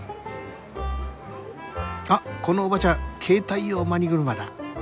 あっこのおばちゃん携帯用マニ車だ。